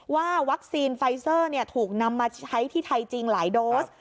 ว่าวัคซีนไฟเซอร์ถูกนำมาใช้ที่ไทยจริงหลายโดส